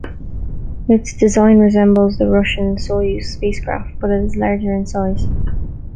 Its design resembles the Russian Soyuz spacecraft, but it is larger in size.